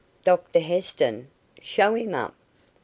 "Doctor Heston? Show him up."